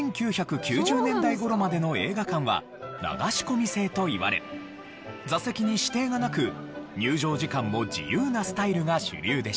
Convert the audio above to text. １９９０年代頃までの映画館は流し込み制といわれ座席に指定がなく入場時間も自由なスタイルが主流でした。